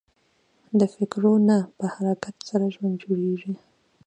د فکرو نه په حرکت سره ژوند جوړېږي.